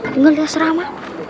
tinggal lihat serama